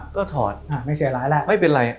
ก็ถอดไปเลย